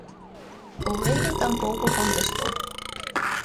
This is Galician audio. O vello tampouco contestou.